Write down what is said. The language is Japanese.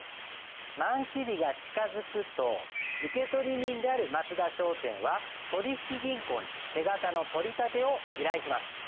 満期日が近づくと受取人である松田商店は取引銀行に手形の取り立てを依頼します。